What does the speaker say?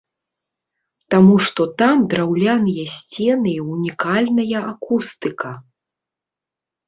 Таму што там драўляныя сцены і ўнікальная акустыка!